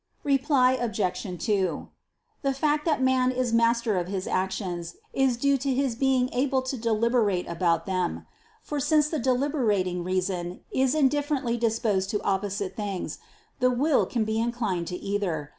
Reply Obj. 2: The fact that man is master of his actions, is due to his being able to deliberate about them: for since the deliberating reason is indifferently disposed to opposite things, the will can be inclined to either.